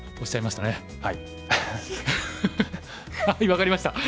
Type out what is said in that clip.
分かりました。